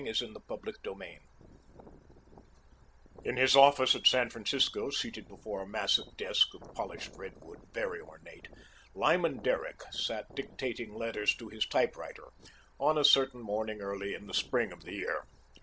BOOK II CHAPTER I In his office at San Francisco, seated before a massive desk of polished redwood, very ornate, Lyman Derrick sat dictating letters to his typewriter, on a certain morning early in the spring of the year.